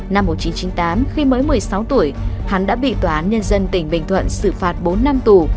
năm một nghìn chín trăm chín mươi tám khi mới một mươi sáu tuổi hắn đã bị tòa án nhân dân tỉnh bình thuận xử phạt bốn năm tù